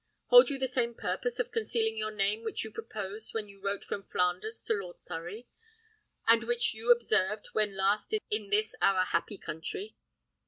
Hold you the same purpose of concealing your name which you proposed when you wrote from Flanders to Lord Surrey, and which you observed when last in this our happy country?"